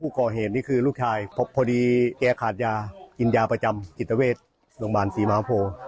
ก่อเหตุนี่คือลูกชายพอดีแกขาดยากินยาประจำจิตเวชโรงพยาบาลศรีมหาโพ